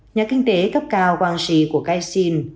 nhà kinh tế cấp cao quang tri của caixin